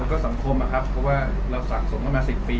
แล้วก็สังคมอะครับเพราะว่าเราสั่งส่งก็มา๑๐ปี